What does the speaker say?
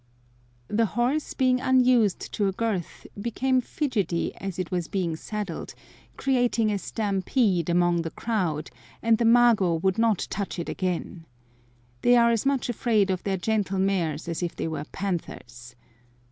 The horse, being unused to a girth, became fidgety as it was being saddled, creating a stampede among the crowd, and the mago would not touch it again. They are as much afraid of their gentle mares as if they were panthers.